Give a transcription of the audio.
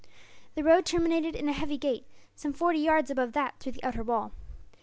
The road terminated in a heavy gate, some forty yards above that through the outer wall.